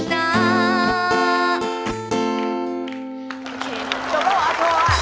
จบแล้วหรอโทร